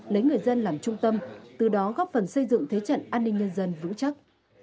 lấy người dân làm trung tâm từ đó góp phần xây dựng thế trận an ninh nhân dân vững chắc